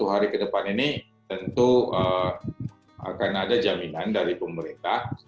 selama dua puluh satu hari ke depan tentu akan ada jaminan dari pemerintah